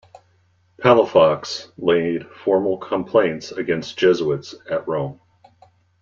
Palafox laid formal complaints against Jesuits at Rome.